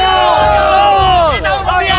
kita hukum dia